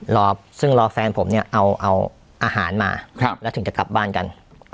รอซึ่งรอแฟนผมเนี่ยเอาอาหารมาแล้วถึงจะกลับบ้านกัน